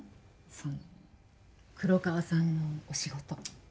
その黒川さんのお仕事